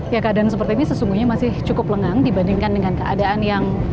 ya keadaan seperti ini sesungguhnya masih cukup lengang dibandingkan dengan keadaan yang